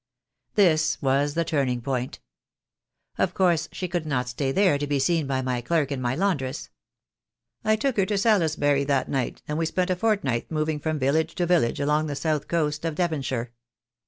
This was the turning point. Of course she could not stay there to be seen by my clerk and my laundress. I took her to Salisbury that night, and we spent a fortnight moving from village to village along the south coast of Devonshire.